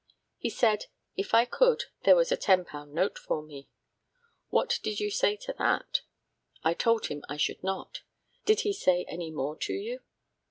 He said, if I could, there was a £10 note for me. What did you say to that? I told him I should not. Did he say any more to you?